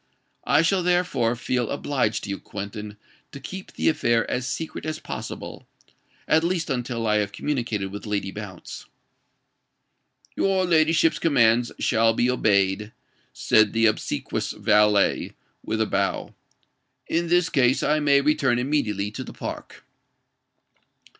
I shall therefore feel obliged to you, Quentin, to keep the affair as secret as possible—at least until I have communicated with Lady Bounce." "Your ladyship's commands shall be obeyed," said the obsequious valet, with a bow. "In this case, I may return immediately to the Park."